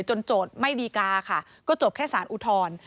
โจทย์ไม่ดีกาค่ะก็จบแค่สารอุทธรณ์